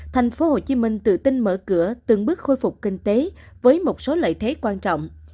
thành phố hồ chí minh tự tin mở cửa từng bước khôi phục kinh tế với một số lợi thế quan trọng